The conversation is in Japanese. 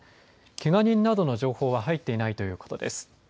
けが人などの情報は入っていないということです。